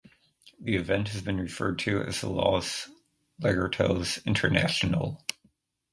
The event has been referred to as the Los Lagartos International.